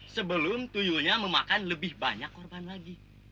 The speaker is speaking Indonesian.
sebelum tuyunya memakan lebih banyak korban lagi